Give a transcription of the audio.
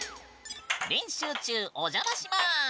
練習中、お邪魔しまーす。